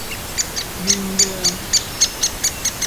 鴛鴦